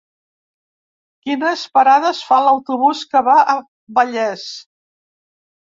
Quines parades fa l'autobús que va a Vallés?